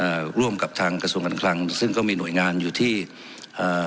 ร่วมกับทางกระทรวงการคลังซึ่งก็มีหน่วยงานอยู่ที่อ่า